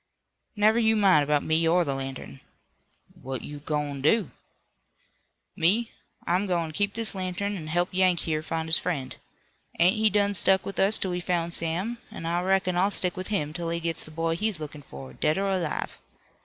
"Never you mind about me or the lantern." "What you goin' to do?" "Me? I'm goin' to keep this lantern an' help Yank here find his friend. Ain't he done stuck with us till we found Sam, an' I reckon I'll stick with him till he gits the boy he's lookin for, dead or alive.